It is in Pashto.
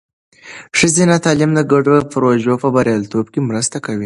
ښځینه تعلیم د ګډو پروژو په بریالیتوب کې مرسته کوي.